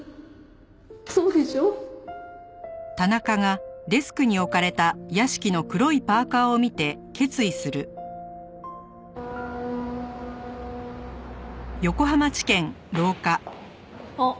そうでしょ？あっ。